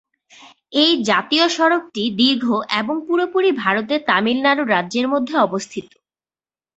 এই জাতীয় সড়কটি দীর্ঘ এবং পুরোপুরি ভারতের তামিলনাড়ু রাজ্যের মধ্যে অবস্থিত।